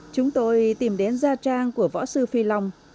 chúng tôi tìm đến gia trang của võ sư phi long